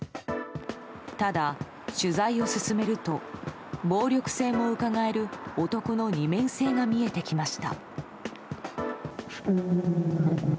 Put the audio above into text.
ただ、取材を進めると暴力性もうかがえる男の二面性が見えてきました。